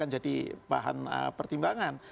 jadi bahan pertimbangan